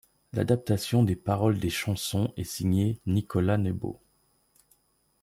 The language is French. L'adaptation des paroles des chansons est signée Nicolas Nebot.